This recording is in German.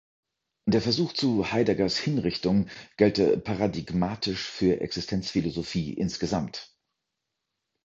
Der Versuch zu „Heideggers Hinrichtung“ gelte „paradigmatisch für Existenzphilosophie insgesamt“.